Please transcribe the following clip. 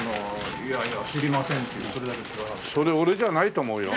それ俺じゃないと思うよ。